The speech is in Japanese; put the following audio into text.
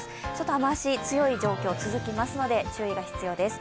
雨足が強い状況が続きますので、注意が必要です。